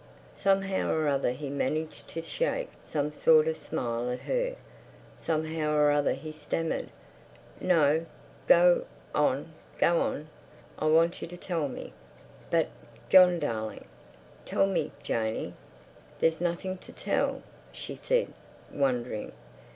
Somehow or other he managed to shake some sort of smile at her. Somehow or other he stammered: "No—go—on, go on! I want you to tell me." "But, John darling—" "Tell me, Janey!" "There's nothing to tell," she said, wondering.